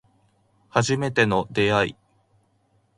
初めての出会い